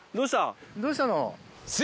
どうしたの？